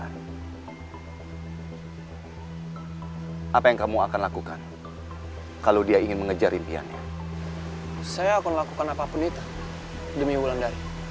hai hai hai hai hai hai hai hai hai hai menek emang kita mau ke mana sih udah ikut aja